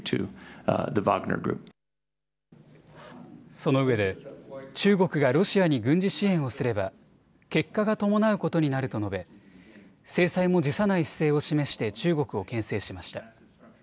そのうえで中国がロシアに軍事支援をすれば結果が伴うことになると述べ制裁も辞さない姿勢を示して中国をけん制しました。